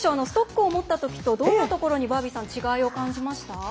ストックを持ったときとどういうところに違いを感じました？